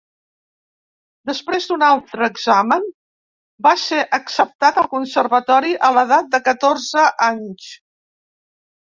Després d'una altra examen, va ser acceptat al Conservatori a l'edat de catorze anys.